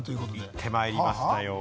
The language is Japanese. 行ってまいりましたよ。